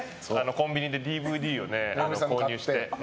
コンビニでＤＶＤを購入して。